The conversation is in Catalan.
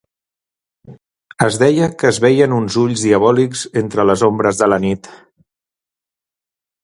Es deia que es veien uns ulls diabòlics entre les ombres de la nit.